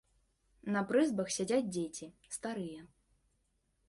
На прызбах сядзяць дзеці, старыя.